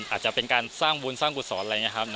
อาจจะเป็นการสร้างบุญสร้างกุศลอะไรอย่างนี้ครับ